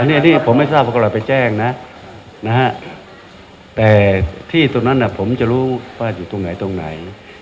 อันนี้ที่ผมไม่ทราบว่าคนเราไปแจ้งนะแต่ที่ตรงนั้นผมจะรู้ว่าอยู่ตรงไหนตรงไหน